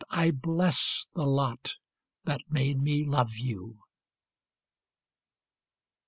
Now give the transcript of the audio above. I bless the lot that made me love you.